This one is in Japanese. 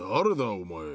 お前。